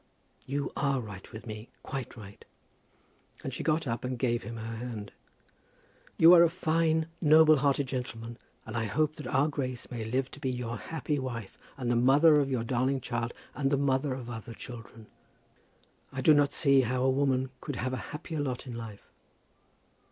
"You are right with me, quite right;" and she got up and gave him her hand. "You are a fine, noble hearted gentleman, and I hope that our Grace may live to be your happy wife, and the mother of your darling child, and the mother of other children. I do not see how a woman could have a happier lot in life."